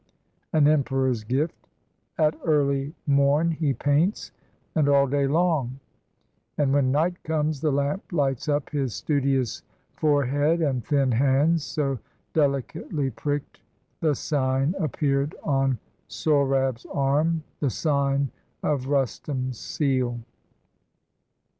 An emperor's gift; at early morn he paints, 286 SOHRAB'S LAST CONTEST And all day long; and, when night comes, the lamp Lights up his studious forehead and thin hands: So delicately prick'd the sign appear'd On Sohrab's arm, the sign of Rustum's seal.